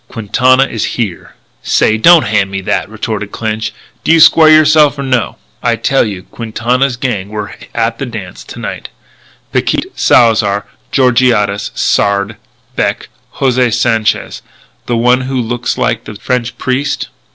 Quintana is here." "Say, don't hand me that," retorted Clinch. "Do you square yourself or no?" "I tell you Quintana's gang were at the dance to night Picquet, Salzar, Georgiades, Sard, Beck, José Sanchez the one who looks like a French priest.